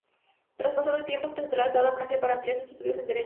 Tras pasar un tiempo se traslada a Francia para ampliar sus estudios de Derecho.